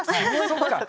そっか。